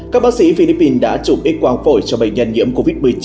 các bác sĩ philippines đã chụp ít quang phổi cho bệnh nhân nhiễm covid một mươi chín